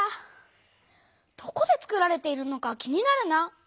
どこでつくられているのか気になるな。